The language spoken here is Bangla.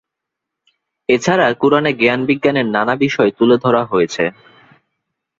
এ ছাড়া কুরআনে জ্ঞান-বিজ্ঞানের নানা বিষয় তুলে ধরা হয়েছে।